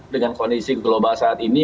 dengan kondisi global saat ini